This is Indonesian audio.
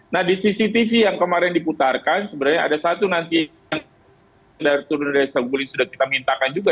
nah di cctv yang kemarin diputarkan sebenarnya ada satu nanti yang turun dari saguling sudah kita mintakan juga